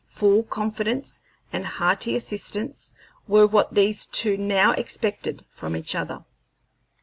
Full confidence and hearty assistance were what these two now expected from each other.